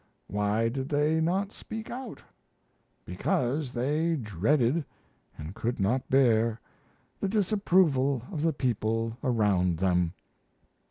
Why did they not speak out? Because they dreaded (and could not bear) the disapproval of the people around them.